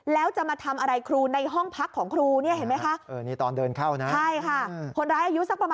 แล้วจะมาทำอะไรครูในห้องพักของครูเนี่ยเห็นไหมคะ